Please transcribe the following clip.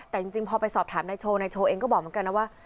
แต่จริงพอไปสอบถามนายโชว์นายโชว์เองก็บอกเหมือนกันนะว่า